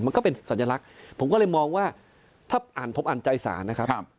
ก็เป็นสัญลักษณ์ผมก็เลยมองว่าถ้าอ่านผมอ่านใจสารนะครับ